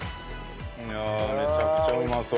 いやめちゃくちゃうまそう。